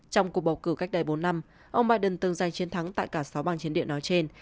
trong cuộc bầu cử cách đây bốn năm ông biden từng giành chiến thắng tại cả sáu bang chiến địa nói trên